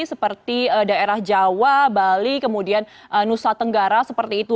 seperti daerah jawa bali kemudian nusa tenggara seperti itu